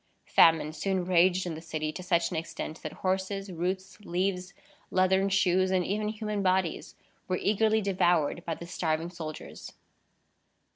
Famine soon raged in the city to such an extent, that horses, roots, leaves, leathern shoes, and even human bodies, were eagerly devoured by the starving soldiers.